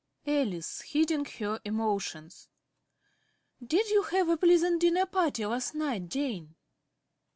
_ ~Alice~ (hiding her emotions). Did you have a pleasant dinner party last night, Jane?